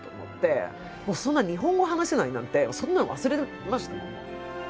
そんな日本語を話せないなんてそんなの忘れましたもん。